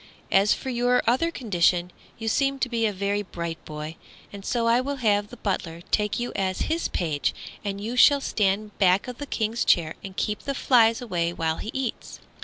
As for your other condition, you seem to be a very bright boy, and so I will have the butler take you as his page, and you shall stand back of the King's chair and keep the flies away while he eats."